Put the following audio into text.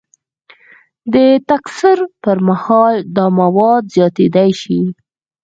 د تکثر پر مهال دا مواد زیاتیدای شي.